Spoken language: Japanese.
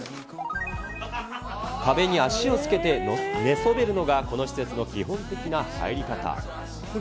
壁に足をつけて寝そべるのが、この施設の基本的な入り方。